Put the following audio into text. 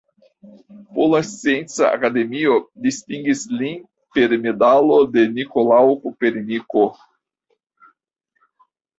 Pola Scienca Akademio distingis lin per medalo de Nikolao Koperniko.